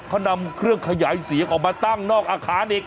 เขานำเครื่องขยายเสียงออกมาตั้งนอกอาคารอีก